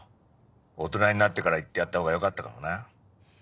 大人になってから言ってやった方がよかったかもな。